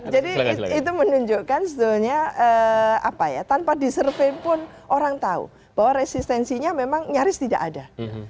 jadi itu menunjukkan setidaknya tanpa disurvey pun orang tahu bahwa resistensinya memang nyaris tidak ada